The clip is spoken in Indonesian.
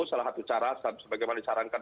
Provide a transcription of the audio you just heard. salah satu cara sebagaimana disarankan